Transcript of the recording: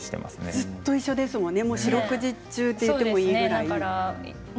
ずっと一緒だとそれこそ四六時中と言ってもいいぐらい。